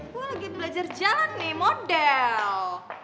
gue lagi belajar jalan nih model